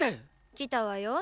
来たわよ。